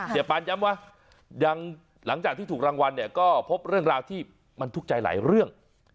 ปานย้ำว่ายังหลังจากที่ถูกรางวัลเนี่ยก็พบเรื่องราวที่มันทุกข์ใจหลายเรื่อง